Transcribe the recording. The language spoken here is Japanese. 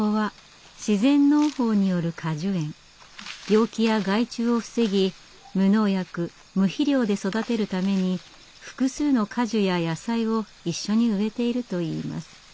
病気や害虫を防ぎ無農薬無肥料で育てるために複数の果樹や野菜を一緒に植えているといいます。